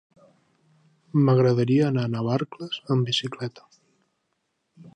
M'agradaria anar a Navarcles amb bicicleta.